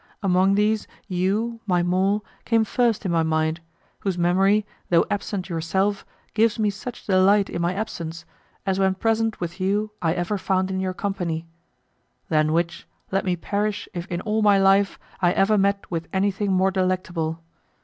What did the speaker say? Among these you, my More, came first in my mind, whose memory, though absent yourself, gives me such delight in my absence, as when present with you I ever found in your company; than which, let me perish if in all my life I ever met with anything more delectable.